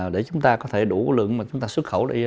để chúng ta có thể đủ lượng mà chúng ta xuất khẩu ra